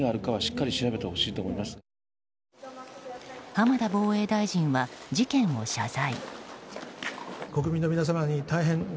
浜田防衛大臣は、事件を謝罪。